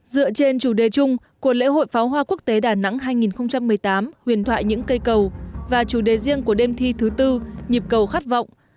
dựa trên chủ đề chung của lễ hội pháo hoa quốc tế đà nẵng hai nghìn một mươi tám huyền thoại những cây cầu và chủ đề riêng của đêm thi thứ tư nhịp cầu khát vọng